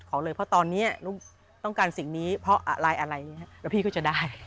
เลยเพราะตอนนี้ลูกต้องการสิ่งนี้เพราะอะไรแล้วพี่ก็จะได้